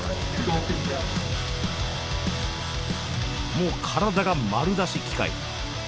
もう体が丸出し機械。